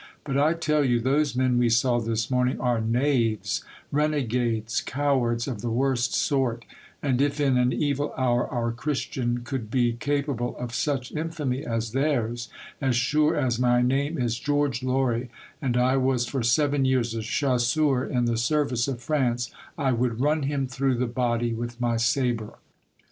But I tell you, those men we saw this morning are knaves, renegades, cowards of the worst sort; and if in an evil hour our Christian could be capable of such infamy as theirs, as sure as my name is George Lory, and I was for seven years a chasseur in the service of France, I would run him through the body with my sabre."